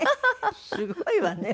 すごいわね。